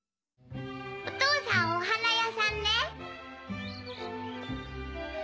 お父さんお花屋さんね。